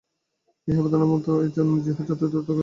ইহাই বেদান্তের মত এবং এই জন্যই ইহা যথার্থ কাজে লাগাইবার যোগ্য।